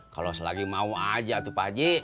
kalau selagi mau ajak tu pak haji